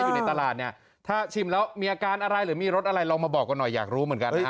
อยู่ในตลาดเนี่ยถ้าชิมแล้วมีอาการอะไรหรือมีรสอะไรลองมาบอกกันหน่อยอยากรู้เหมือนกันนะฮะ